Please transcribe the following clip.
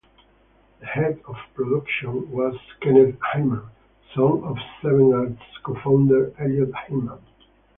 The head of production was Kenneth Hyman, son of Seven Arts co-founder Eliot Hyman.